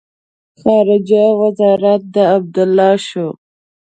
خارجه وزارت د عبدالله شو.